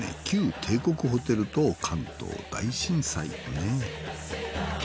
旧帝国ホテルと関東大震災ねぇ。